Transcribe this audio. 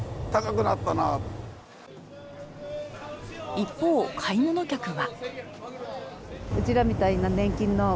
一方、買い物客は。